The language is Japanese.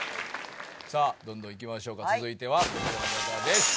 さあどんどんいきましょうか続いてはこの方です。